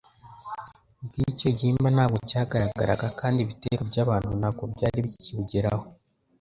Bwicyo igihimba ntabwo cyagaragaraga kandi ibitero by'abantu ntabwo byari bikiwugeraho.